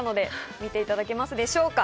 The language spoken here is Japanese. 見ていただけますでしょうか。